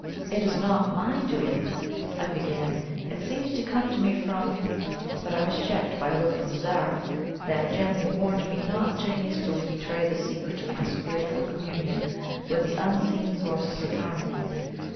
"It is not MY doing," I began; "it seems to come to me from " But I was checked by a look from Zara, that gently warned me not to hastily betray the secret of my spiritual communion with the unseen sources of harmony.